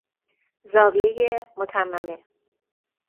زاویهُ متممه